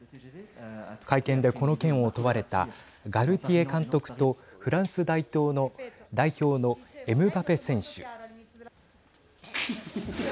会見で、この件を問われたガルティエ監督とフランス代表のエムバペ選手。